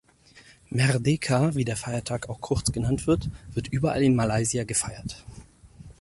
Merdeka, wie der Feiertag auch kurz genannt wird, wird überall in Malaysia gefeiert.